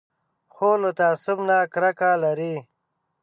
خور له تعصب نه کرکه لري.